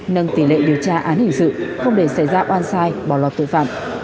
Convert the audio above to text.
nâng tỷ lệ điều tra án hình sự không để xảy ra oan sai bỏ lọt tội phạm